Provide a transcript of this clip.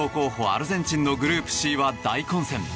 アルゼンチンのグループＣは大混戦。